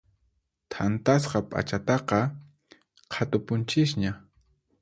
Thantasqa p'achataqa qhatupunchisña.